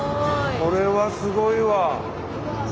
これはすごいわ。